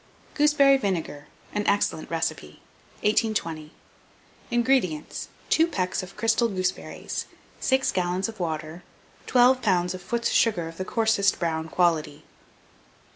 GOOSEBERRY VINEGAR. (An Excellent Recipe.) 1820. INGREDIENTS. 2 pecks of crystal gooseberries, 6 gallons of water, 12 lbs. of foots sugar of the coarsest brown quality.